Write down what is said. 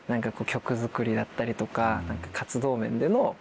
曲作りだったりとか活動面での。